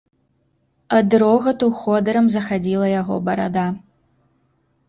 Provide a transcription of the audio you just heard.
Ад рогату ходырам захадзіла яго барада.